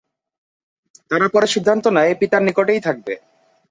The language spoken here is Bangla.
তারা পরে সিদ্ধান্ত নেয় পিতার নিকটেই থাকবে।